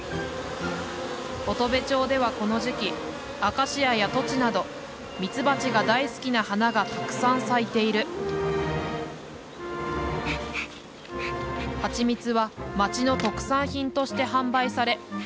乙部町ではこの時期アカシアやトチなどミツバチが大好きな花がたくさん咲いているはちみつは町の特産品として販売され売り上げは森づくりにも使われている。